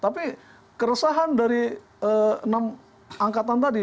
tapi keresahan dari enam angkatan tadi